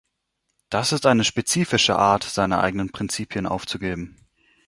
Das ist eine spezifische Art, seine eigenen Prinzipien aufzugeben.